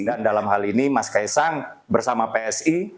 dan dalam hal ini mas kaisang bersama psi